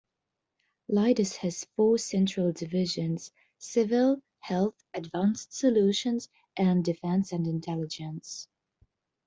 Leidos has four central divisions: Civil, Health, Advanced Solutions, and Defense and Intelligence.